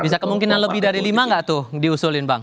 bisa kemungkinan lebih dari lima nggak tuh diusulin bang